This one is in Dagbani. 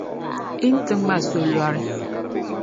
Yi ni ti ŋma solɔri.